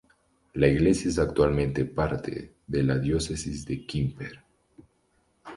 La iglesia es actualmente parte de la diócesis de Quimper.